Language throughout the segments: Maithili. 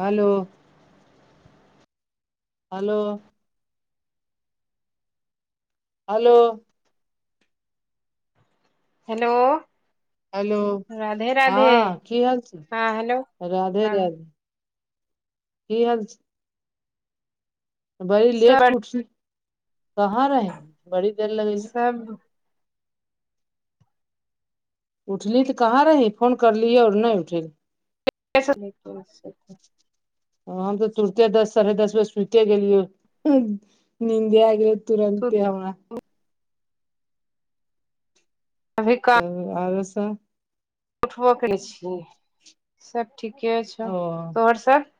Hello hello hello hello hello Radhe Radhe हँ की हाल छै हहाँ हेलो राधे हाँ राधे की हाल छै बड़ी लेट सब क उठली कहाँ रहहीं बड़ी देर लगेहीं तब उठली तऽ कहाँ रही फोन करलियै आओर नहि उठलहीं [unintelligible] हम तऽ तुरते दस साढ़े दस बज सुते गेलियो नीन्दे आ गेलो तुरन्ते हमरा [unintelligible] आरों सँ उठबो कर छियै सब ठीके छौ ओ आओर सब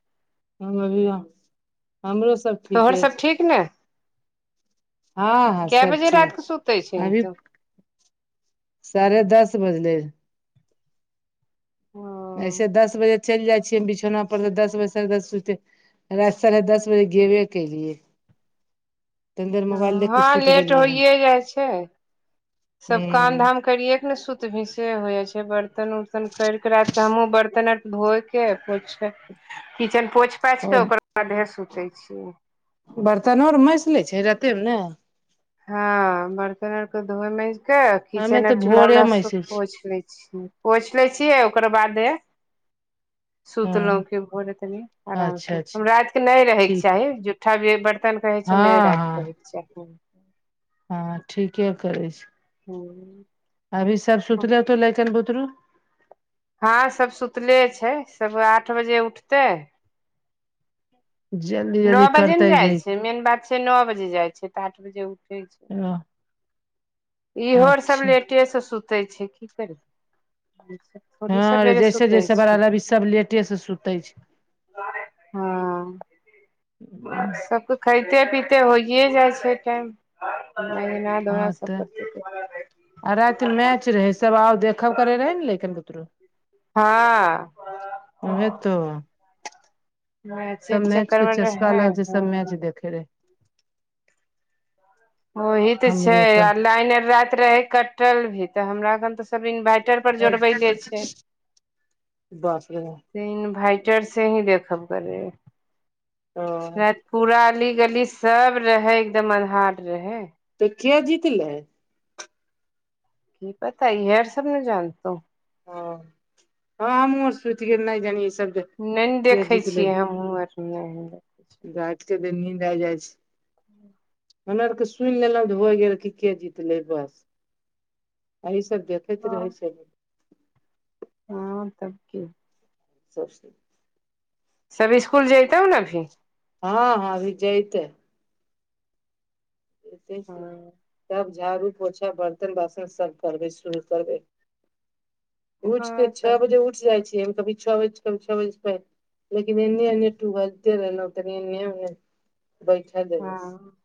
हम अभी अ-हमरो सब तोहर ठीके सब छै ठीक ने हँ हँ काए सब बजे ठीक रात के सुते छहीं अभी तु साढ़े दस बजले आय हाँ अइसे दस बजे चलि जाइ छियै बिछौना पर तऽ दस बजेसँ तक सुते रात साढ़े दस बजे गेबे केलिए हाँ लेट होइए जाइ छै सब काम धाम। करिये के ने सुतभीं से हो जा छै बर्तन उर्तन कर के रात के हमहुँ बर्तन आर धोइ। के पोछि किचन पोछि पाछि हूँ के ओकर बादे सुते छीये। बर्तनोर मैस लै छै रातेमे ने हँ बर्तन आरक धोएमैज के हमे किचन आर तऽ चूल्हा भोरे वल्हा सब मैसै छी पोछि लै छीयै पोछि लै छियै ओकर बादे सुतलौं हँ के भोर कनी आराम से अच्छा अच्छा हमरा आत क नय रहैके ठीक चाही ज ठबे जे बर्तन कहै छै नै हँ राति हँ कहै चाही हँ ठीके करै छी हूँ अभी सब सुतले तऽ ले किन बुतरू हँं सब सुतले छै सब आठ बजे उठते। जल्दी जल्दी न बजे करतै ने जाइ जे छै मेन बात छै नओ बजे जाइ छै तऽ आठ बजे उठै छै। इहोर सब अच्छा लेटे सँ सुतै छै की करयै। हँ रै जैसे जैसे बड़ा लभी सब लेटे से सूतै छै। हँ सब के खैइते पिबतै होइए जाइ छै टाइम। धोना हँ सब तऽ करते। आ राति मैच रहै। सेब आव देखब करै रहै ने लेकन बूतरू हँ ओहे तो। मैचे सब मैच चक्कर के मे चस्का रहे अलग से सब मैच हँ देखै रहे। ओही त छै हमरो कन आर लाइन राइत रहे कटल भी तऽ हमरा घर तऽ सब इन्वाइट- पर जरबैलेइ है। बाप रे से इन्भाइटर से ही देखब करै ओ राइत पूरा अली गली सब रहे एकदम अन्हार रहै। तऽ के जीतलै। की पता इहए आर सब ने जानतो। हँ हमहु सूत गेलिए ना जानिए इ सब जे। ने ने देखै छियै हमहूँ आर नह। [unintelligible] राइत के दिन नीन्द आ जाइ छै। हमरा आरके सुनि लेलक त होइ गेल की के जीतले बस। अहि सब देखैत रहै छै। हँ तब की सत श्रीाल [unintelligible] सब इस्कुल जैतो ने अभी। हँ हँ अभी जैइतै एते छी तब झाड़ू पोछा बर्तन बासन सब करबै शुरू करबै। उठ के हँ छ तऽ बजे उठ जाइ छिऐ कभी [unintelligible] छ बजे पहिले लेकिन एने एने टुहलते रहलहु तनी एनेने बैठइ देमश हँ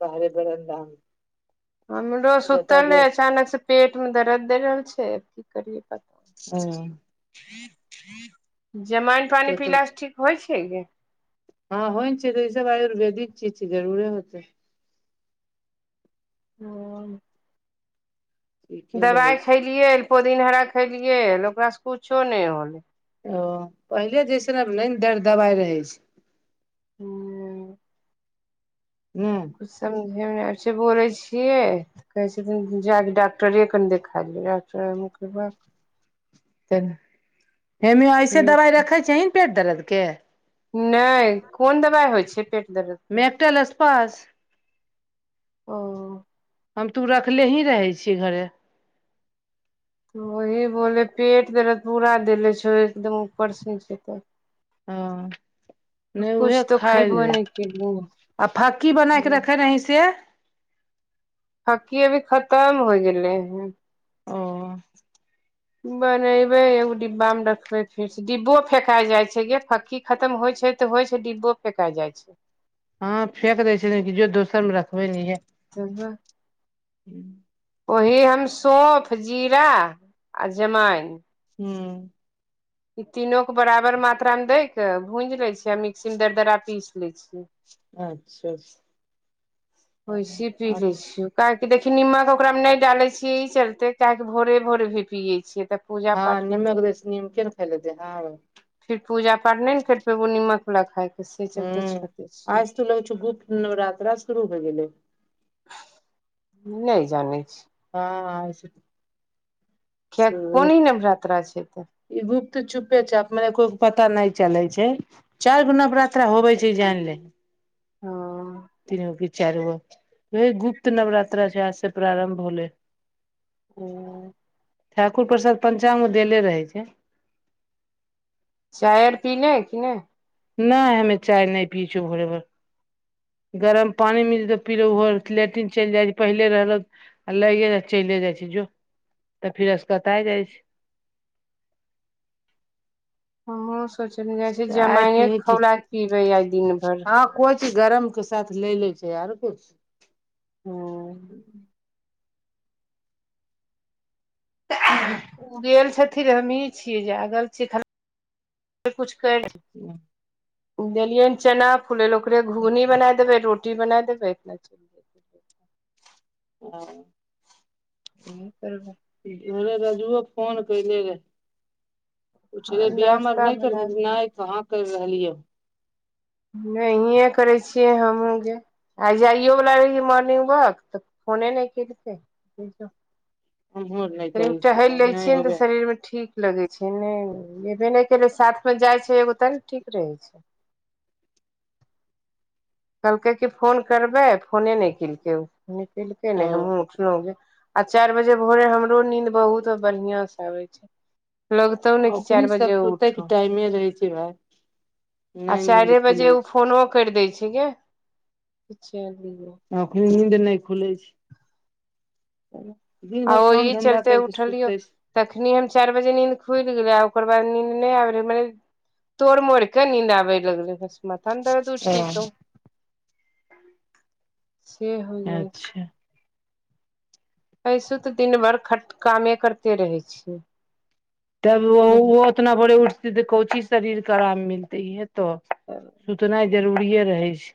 बाहरे बरन्दा मे। हमरो सुतल हइ अचानक सँ पेट मे दरद दै रहल छै आब की करियै पता। हूँ जमाइन पानि तो तो पीलासँ ठीक होइ छै गई हँ होइ ने छै तऽ ई सब आयुर्वेदिक चीज छै जरुरे होतै नोन [unintelligible] ठीके रहै दवाइ खलियै पुदिन हरा खलियै ओकरा सँ कुछो नै होलै। ओ पहिले जैइसन अब नै दर दवाई रहि छै। ने हू समझेमे नहि आब छै बोलै छियै कहै छथिन जााक डॉाक्टरे क ने देखाय लियै डॉाक्टर कहब चल हेमेिआइ ऐसे दबाइ रखै छहींन पेट दरदके नै कोन दबाइ होइ छै पेट दर्द के मैपटलस पास ओ हम तू रखले ही रहै छियै घरे। वही बोले पेट दरद पूरा देले छौ एकदम ऊपर सऽ निचे तक। ओ नहि उह कुछ तो खयबो खाइए नहि केलियै आ फक्की बनाके रखे रहीं से फक्की अभी खतम हो गेले हं ओ बनेबे एगो डिब्बा मे रखबे फेरसं डिब्बो फेेकाइ जाइ छै गे फक्की खतम होइ छै ऽ होइ छै डिब्बो फेका जाइ छै हँ फेेक देै छै ने कि जो दोसर मे रखबे नेे [unintelligible] हू उहे हम सौंफ जीरा आ जमाइन हूं ई तीनोू के बराबर मात्रा में दै के भूंज लै छिअइ आ मिक्सी मे दरदरा पीस लै छियै अच्छा वैसे पी जाइ अच्छा छिअउ काहे कि देखी नीमक ओकरामे नहि डालै छियै ई चलते काहेकि भोरे भोरे भी पियै छियै त हँ नीमक दै सँ नीमके नऽ खाइ ले फिर पूजा पाठ नै ने कर पेबौ नीमक वला खाइके हूं आइ सं तऽ लगै छो गुप्त नवरात्रा शुरू हो गेलै नहि जानै छिअइ हँ आइ से ही किएकि कोन नवरात्रा छै ई तँ ई गुप्त चुपे चाप मने कोइके पता नै चलै छै चारि गो नवरात्रा होबै छै जानि ले ओ तीन गो कि चारि गो इहे गुप्त नवरात्रा छै आज से प्रारम्भ भेलय ओ ठाकुर प्रसाद पञ्चांग मे देले रहै छै चाय आर पीले कि नै नहि हमे चाय नै पी छिअउ छी भोरे भोर गरम पानी मिल जेतौ पी लेबौ ओहो लेट्रिन चलि जाइ छै पहिले रहलक आ लैेएके चैले जाइ छी जो तऽ फिर असकताइ जाइ छी? [inaudible] हमहु सोचलिअइ जाइ छी जमाइने के पियै खौलाक पीबै आइ दिन भर कोई चीज गरम के साथ ले ले छै आर कुछ हु [unintelligible] उ गेल छथिन हमहीं छियै जागल छियै खाली [inaudible] कुछ कर [unintelligible] देलिअइन चना फुलै लऽ ओकरे घुघनी बना देबै रोटी बना देबै जेतै [unintelligible] इनही करबै ई की भोरे रजुओ फोन केले रहै पुछले हँ व्यायाम आर नाश्ता नै बना करबही नै कहाँ कैर रहलिय नहिए करै छियै हमहूँ गे आइ जाइयो बला रहिऐ मॉर्निंग वॉक तऽ फोने नै केलकै [unintelligible] कनि टहल भाय लै नहि छियै न तऽ होबे शरीर में ठीक लगै छै नै गेबै नै केले साथ में जाइ छै एगो तब न ठीक रहै छै कहलकै कि फोन करबै फोने नै केलकै नै केलकै ओ नै हमहुँ उठलौं जे आ चैर बजे भोरे हमरो नींद बहुत बड़ियाँ स आबै छै लगतौ न कि चैर ओखनी बजे सब उठौ [unintelligible] [unintelligible] आ नहि नींद चाइरे बजे खुलै ओ छै फोनो कैर दै छै गे [unintelligible] अखनि नींद नै खुलै छै दिन आ भरि ओहि काम धंधा चलते करिके उठलियौ सुतै तखनी हम चैर बजे नींद खुइल गेलै आ ओकर बाद नींन्द नै आबै रहै मने तोड़ मोड़ केँ नींद आबै लगलै बस माथा में दर्द उठ छै जतौ [inaudible] से होइ ओ जाइ छै अच्छा अइसु तऽ दिन भर खट कामे करते रहै छियै तब ओ [unintelligible] उतना भोरे उठतै तऽ कोंची स शरीर कऽ आराम मिलते इहै तऽ तऽ सुतनै जरूरिेये रहै छै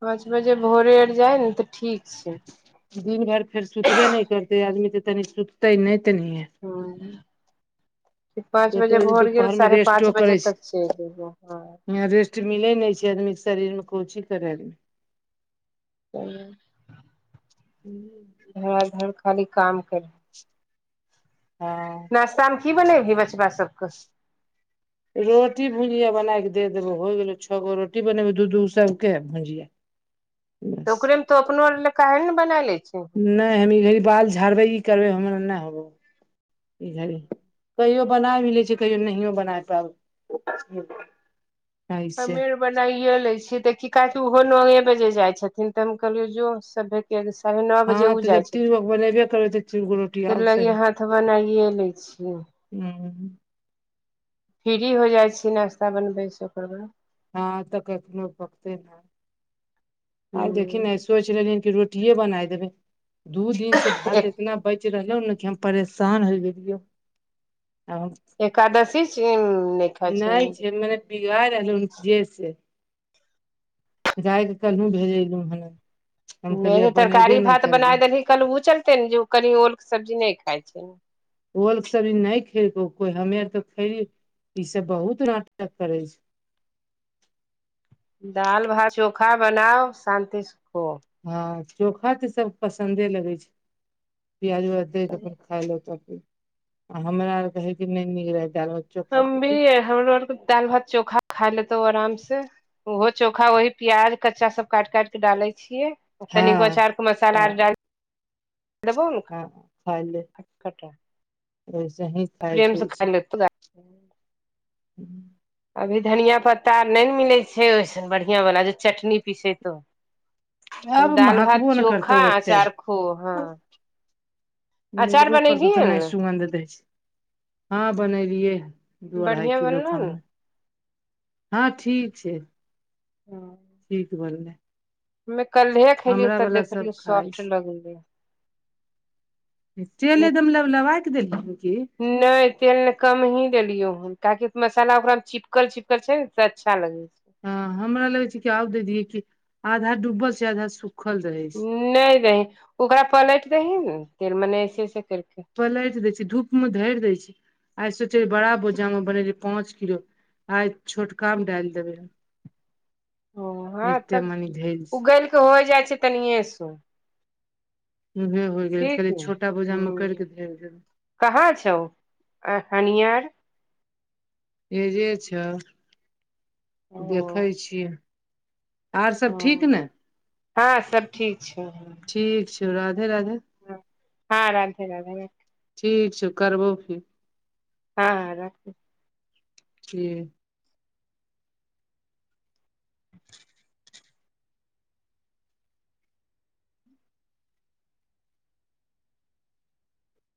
पाँच बजे भोरे आर जाइ न तऽ ठीक छै दिन भर फेर सुतबे नै करते आदमी तऽ तनी सुतते नै तनही [unintelligible] पाँच बजे एते भोर गेल दुपहरमे साढ़े पाँच रेस्टो बजे करै छै तक चैल ऐबै हँ यहाँ रेस्ट मिले नै छै आदमी कऽ शरीर में कोन चीज करे [unintelligible] [unintelligible] हऽ धड़ खाली काम करी [inaudible] हँ नाश्ता में की बनैबहि बचबा सभ कऽ रोटी भुजिया बनाय कऽ दे देबो होइ गेलै छ गो रोटी बनेबै दू दू गो सभ केँ भुजिया [inaudible] तऽ ओकरे में तऽ अपनो आर ले काहे न बना लय छिही नै हम ई घड़ी बाल झाड़बै ई करबै हमरा नै ह [unintelligible] ई घड़ी कहियो बना भि लैछै कहियो नहियो बनाइ पाबै [unintelligible] सबेर बनाइये लय छीये देखी काहे की ओहो नौ ए बजे जाइ छथिन तऽ हम कहलियौ जो सभे कऽ कियकि साढ़े नौ बजे हँ उ तऽ जब जाइ छथिन तीन गो बनेबे करबै तऽ तीन गो रोटी [inaudible] तऽ आउ सही लगे हाथ बनाइए लै छिये [unintelligible] हूं फ्री हो जाइ छी नाश्ता बनबै छी ओकर बाद हँ तऽ कखनो पकतैन आई दखी न इस्कुल सोइच रहलियन कि रोटिये बना देबै दू दिन से ह भात इतना बैच रहलै [unintelligible] हम परेशान होय गेलियो आब हम एकादशी सिंन नय खाइ नहि छिहीन [unintelligible] [unintelligible] हम नै कहलियै नै बनेबे तरकारी नहि भात बनाय करबो देलही कल ओ चलते ने जे कनि ओलके सब्जी नय खाइ छै [unintelligible] खेलियो ई सब बहुत नाटक करै छै दाल भात चोखा बनाओ शान्ति सँ खोऽ हँ चोखा तऽ सब पसंन्दे लगै छै प्याज उ्याज दऽ केँ अपन त आ हमरा आर कहे नहि नीक रह [unintelligible] हम भी। हमरो आर त दालि-भात, चोखा खा लेतौ आराम से ओहो चोखा वही प्याज कच्चा सब काट-काट के डालै छियै तनिगो हँ अचार के मसाला आर हँ डाल देबौ ने [unintelligible] प्रेमसँ वैसे खाइ लतो आई [inaudible] अभी धनिया पत्ता नै मिलै छै ओइसन बढ़ियां बला जे चटनी पिसेतोउ आब दाल-भात, महकबो ने करतौ चोखा ओते अचार खो, हँ अचार मिलबो परतौ तऽ बनैलियै नै ने सुगन्ध दै छै हँ बनेलियए है। दू अढ़ाई बढ़िया किलो क बनलो ने हमहु हँ ठीक छै, ठीक छै ठीक बनलय हमे कल्हे खलियौ तब सब देखलियै खाइ सॉफ्ट छै लगलै तेल एकदम लब लबाय क देलिय हन की? नय, तेल ने कम ही देलियौ हन काहेकि मसाला ओकरा मे चिपकल-चिपकल छै ने त अच्छा लगै छै हँ हमरा लगै छै कि आउ दिदि दिएय कि। आधा डूबल छै, आधा सुखल रहै छै नै दही। ओकरा पलट दही न, तेल मने ऐसे ऐसे करिक पलटि दै छै, धूप मे धरि दै छै। आइ सोचे र बड़ा बोझाम मे बेनेलिए पांच किलो आइ छोटका मे डालि देबे हम ओ हँं तब मनी धैल छै उगल केऽ होइ जाइ छै तनिए सो उह हो गेल। ठीक कहली ने छोटा बोजाम मे करिक हूँ धए गेल कहाँ छौ, अ हनिया आर? एजे छौ, ओ देखै छियै आर सब ठीक ने? हँं सब ठीक छै ठीक छौ। राधे-राधे ह हँ राधे-राधे ठीक छौ, करबौ फेर हँ हाँ राखू ठी [inaudible]